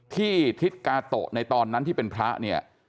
ทิศกาโตะในตอนนั้นที่เป็นพระเนี่ย